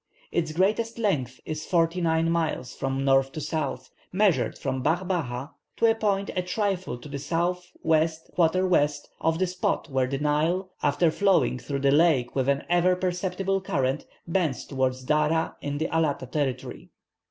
Its greatest length is forty nine miles from north to south, measured from Bab Baha to a point a trifle to the S.W.¼W. of the spot where the Nile, after flowing through the lake with an ever perceptible current, bends towards Dara in the Allata territory.